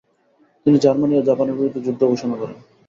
তিনি জার্মানি ও জাপানের বিরুদ্ধে যুদ্ধ ঘোষণা করেন।